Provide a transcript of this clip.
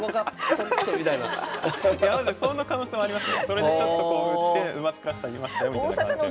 それでちょっとこう打って馬作らせてあげましたよみたいな感じは。